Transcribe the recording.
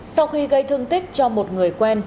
sau khi gây thương tích cho một người quen